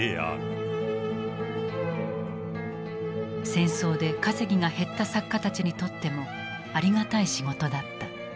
戦争で稼ぎが減った作家たちにとってもありがたい仕事だった。